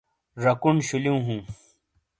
جاکون شولیو ہوں